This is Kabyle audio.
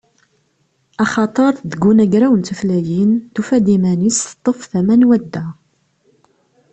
Axaṭer deg unagraw n tutlayin, tufa-d iman-is teṭṭef tama n wadda.